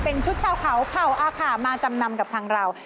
เป็นชุดชาวเขาเผ่าอาคามาจำนำกับทางเรา